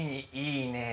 いいね！